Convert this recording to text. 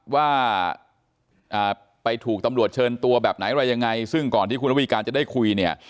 ว่าไปถูกตำรวจเชิญตัวแบบไหนอะไรยังไงซึ่งก่อนที่คุณระวีการจะได้คุยเนี่ย